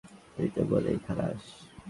তুই তো বলেই খালাস।